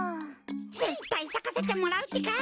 ぜったいさかせてもらうってか。